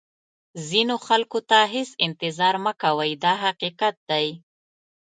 ځینو خلکو ته هېڅ انتظار مه کوئ دا حقیقت دی.